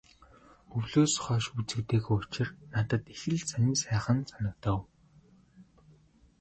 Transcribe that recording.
Өвлөөс хойш үзэгдээгүй учир надад их л сонин сайхан санагдав.